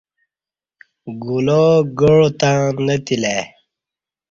گلاو گاع تں نہ تِلہ ای